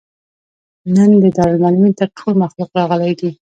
نن دارالمعلمین ته ټول مخلوق راغلى دی.